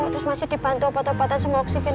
terus masih dibantu obat obatan semua oksigen